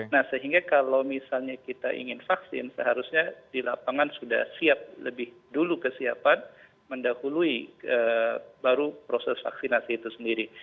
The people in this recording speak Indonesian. nah sehingga kalau misalnya kita ingin vaksin seharusnya di lapangan sudah siap lebih dulu kesiapan mendahului baru proses vaksinasi itu sendiri